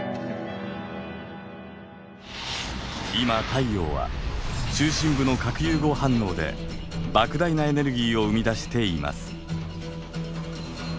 今太陽は中心部の核融合反応で莫大なエネルギーを生み出しています。